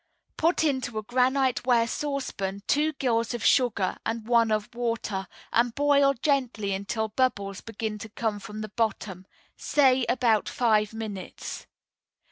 Put into a granite ware saucepan two gills of sugar and one of water, and boil gently until bubbles begin to come from the bottom say, about five minutes.